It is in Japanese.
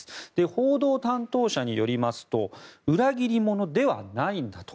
報道担当者によりますと裏切り者ではないんだと。